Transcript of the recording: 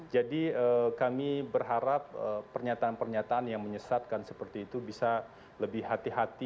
jadi kami berharap pernyataan pernyataan yang menyesatkan seperti itu bisa lebih hati hati